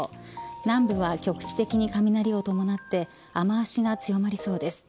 南部は局地的に雷を伴って雨脚が強まりそうです。